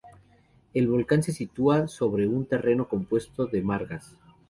El volcán se sitúa sobre un terreno compuesto de margas.